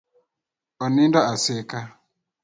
Onindo asika.